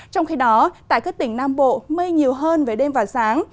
trong khi đó tại các tỉnh nam bộ mây nhiều hơn về đêm và sáng